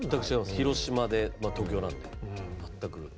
広島で東京なんで全く。